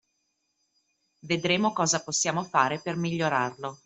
Vedremo cosa possiamo fare per migliorarlo.